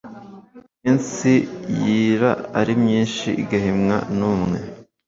Iminsi yira ari myinshi igahimwa n’umwe.